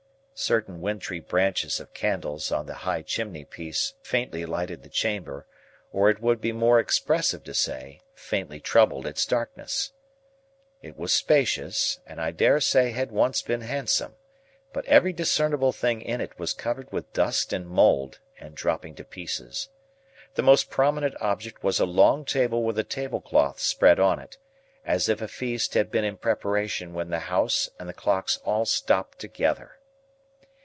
Certain wintry branches of candles on the high chimney piece faintly lighted the chamber; or it would be more expressive to say, faintly troubled its darkness. It was spacious, and I dare say had once been handsome, but every discernible thing in it was covered with dust and mould, and dropping to pieces. The most prominent object was a long table with a tablecloth spread on it, as if a feast had been in preparation when the house and the clocks all stopped together.